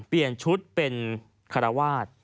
เปลี่ยนชุดเป็นคารวาส